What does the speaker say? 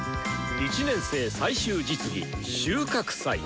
１年生最終実技収穫祭！